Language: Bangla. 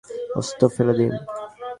অস্ত্র ফেলে দিন।